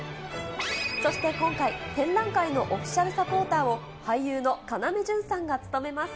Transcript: そして今回、展覧会のオフィシャルサポーターを俳優の要潤さんが務めます。